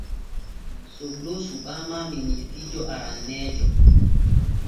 Soglo suɓaama minisiijo aranneejo.